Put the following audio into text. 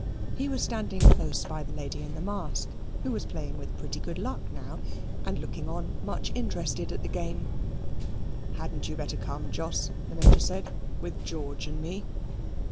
He was standing close by the lady in the mask, who was playing with pretty good luck now, and looking on much interested at the game. "Hadn't you better come, Jos," the Major said, "with George and me?"